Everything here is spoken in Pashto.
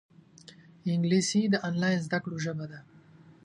انګلیسي د آنلاین زده کړو ژبه ده